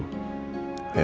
gak boleh lagi